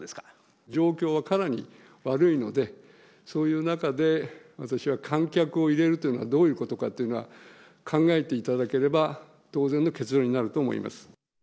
状況はかなり悪いので、そういう中で、私は観客を入れるというのはどういうことかというのは、考えていただければ、当然の結論になると思います。